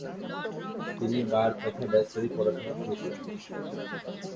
তিনি বার তথা ব্যরিস্টারি পড়াশোনা শুরু করেন।